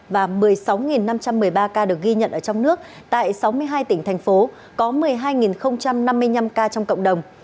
và một mươi sáu năm trăm một mươi ba ca được ghi nhận ở trong nước tại sáu mươi hai tỉnh thành phố có một mươi hai năm mươi năm ca trong cộng đồng